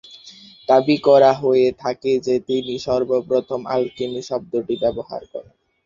দাবি করা হয়ে থাকে যে তিনিই সর্বপ্রথম আলকেমি শব্দটি ব্যবহার করেন।